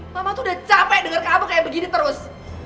mama tuh udah capek denger kamu kayak begini terus